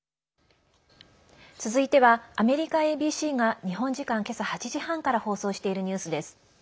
続いては、アメリカＡＢＣが日本時間、今朝８時半から放送しているニュースです。